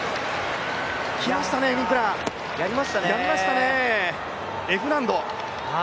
きましたね、やりましたね、Ｆ難度。